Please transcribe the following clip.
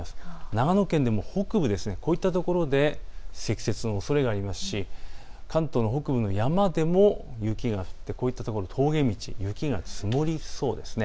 長野県でも北部、こういったところで積雪のおそれがありますし関東の北部の山でも雪が降ってこういったところで峠道、雪が積もりそうです。